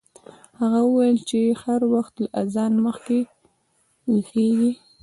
هغې وویل چې هر وخت له اذان مخکې ویښیږي.